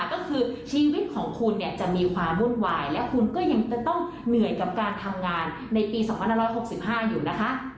ก็คือชีวิตของคุณเนี่ยจะมีความวุ่นวายและคุณก็ยังจะต้องเหนื่อยกับการทำงานในปี๒๕๖๕อยู่นะคะ